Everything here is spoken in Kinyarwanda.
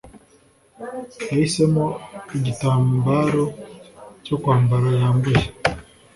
Yahisemo igitambaro cyo kwambara yambaye.